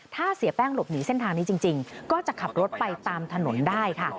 ถ้าเสียแป้งหลบหนีเส้นทางนี้จริงก็จะขับรถไปตามถนนได้ค่ะ